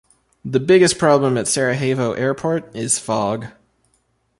The biggest problem at Sarajevo Airport is fog.